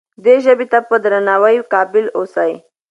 دې ژبې ته په درناوي قایل اوسئ.